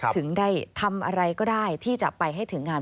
ถึงได้ทำอะไรก็ได้ที่จะไปให้ถึงงาน